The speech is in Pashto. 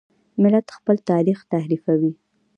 ملت خپل تاریخ تحریفوي.